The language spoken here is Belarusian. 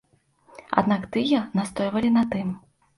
Аднак тыя настойвалі на тым.